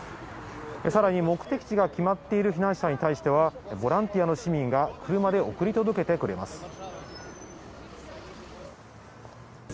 さらに、目的地が決まっている避難者に対しては、ボランティアの市民が車で送り届けてくれます。